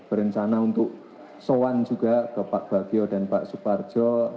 berencana untuk soan juga ke pak bagio dan pak suparjo